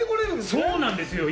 そうなんですよ。